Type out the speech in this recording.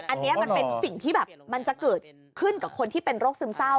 อันนี้มันเป็นสิ่งที่แบบมันจะเกิดขึ้นกับคนที่เป็นโรคซึมเศร้า